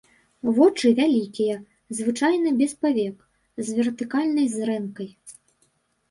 Вочы вялікія, звычайна без павек, з вертыкальнай зрэнкай.